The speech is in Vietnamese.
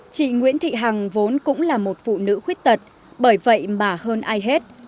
chị nguyễn thị hằng vốn cũng là một phụ nữ khuyết tật bởi vậy mà hơn ai hết